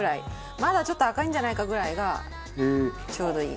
まだちょっと赤いんじゃないか？ぐらいがちょうどいい。